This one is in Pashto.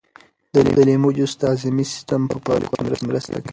د لیمو جوس د هاضمې سیسټم په پاکولو کې مرسته کوي.